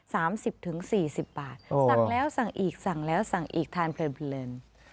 สั่งแล้วสั่งอีกสั่งแล้วสั่งอีกทานเพลิน